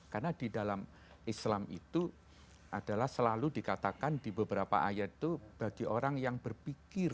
karena di dalam islam itu adalah selalu dikatakan di beberapa ayat itu bagi orang yang berpikir